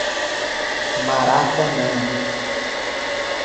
Maracanã